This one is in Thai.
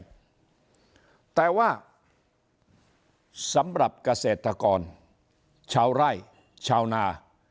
แต่ว่าสำหรับเกษตรกรชาวไร่ชาวนา